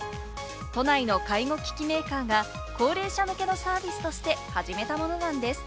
都内の介護機器メーカーが高齢者向けのサービスとして始めたものなんです。